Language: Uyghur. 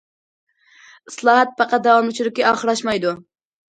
ئىسلاھات پەقەت داۋاملىشىدۇكى، ئاخىرلاشمايدۇ.